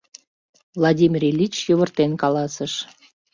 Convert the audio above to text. — Владимир Ильич йывыртен каласыш.